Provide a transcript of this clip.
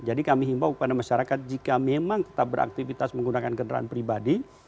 jadi kami himbau kepada masyarakat jika memang tetap beraktivitas menggunakan kendaraan pribadi